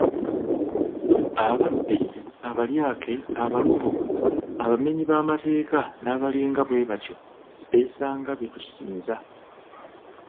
Ababbi, abalyake, abaluvu, abamenyi b'amateeka n'abalinga bwebatyo besanga betusinza.